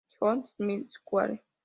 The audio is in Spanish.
John, Smith Square.